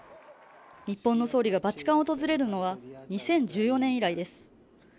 日本の総理がバチカンを訪れるのは２０１４年以来です